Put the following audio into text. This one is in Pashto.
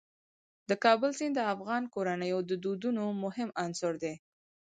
د کابل سیند د افغان کورنیو د دودونو مهم عنصر دی.